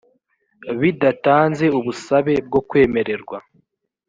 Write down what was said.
bidatanze ubusabe bwo kwemererwa